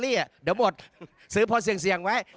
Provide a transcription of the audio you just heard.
นี่เดี๋ยวหมดซื้อพอเสี่ยงไว้